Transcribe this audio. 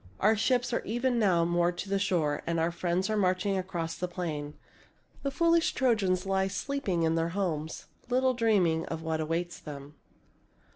Our ships are even now moored to the shore, and our friends are marching across the plain. The foolish Tro jans lie sleeping in their homes, little dreaming of what awaits them."